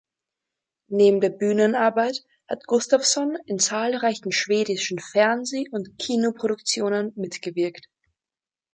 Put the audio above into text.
Neben der Bühnenarbeit hat Gustafson in zahlreichen schwedischen Fernseh- und Kinoproduktionen mitgewirkt.